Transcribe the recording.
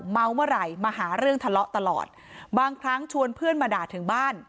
เมาเมื่อไหร่มาหาเรื่องทะเลาะตลอดบางครั้งชวนเพื่อนมาด่าถึงบ้าน